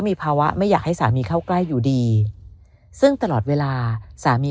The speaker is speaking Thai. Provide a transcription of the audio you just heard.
มีภาวะไม่อยากให้สามีเข้าใกล้อยู่ดีซึ่งตลอดเวลาสามี